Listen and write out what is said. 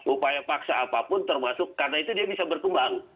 upaya paksa apapun termasuk karena itu dia bisa berkembang